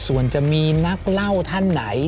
ส่วนจะมีนักเล่าท่านไหน